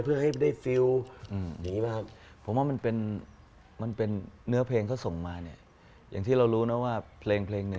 เพราะเวลาเห็นคุณแมนร้อง